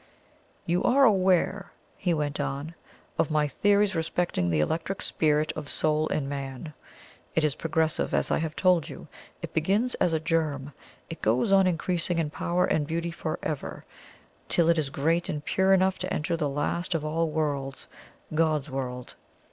"You are aware," he went on, "of my theories respecting the Electric Spirit or Soul in Man. It is progressive, as I have told you it begins as a germ it goes on increasing in power and beauty for ever, till it is great and pure enough to enter the last of all worlds God's World.